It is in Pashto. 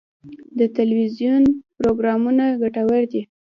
د تلویزیون پروګرامونه ګټور دي.